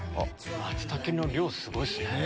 松茸の量すごいですね。